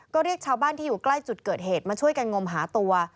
ก็เรียกชาวบ้านที่อยู่ใกล้จุดเกิดเหตุมาช่วยกันงมหาตัว